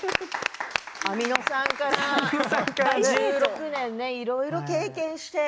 アミノ酸から１６年いろいろと経験して。